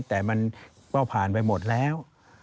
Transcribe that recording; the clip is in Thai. แต่มันก็ผ่านไปหมดแล้ว